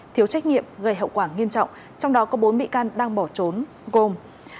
thiếu trách nhiệm gây hậu quả nghiêm trọng trong đó có bốn bị can đang bỏ trốn gồm